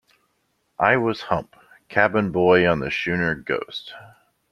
I was Hump, cabin boy on the schooner Ghost.